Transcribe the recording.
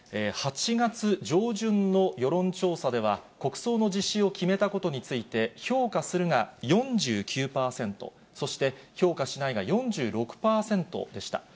８月上旬の世論調査では、国葬の実施を決めたことについて、評価するが４９％、そして評価しないが４６％でした。